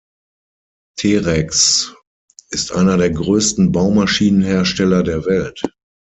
Terex ist einer der größten Baumaschinenhersteller der Welt.